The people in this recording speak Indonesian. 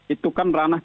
itu kan ranah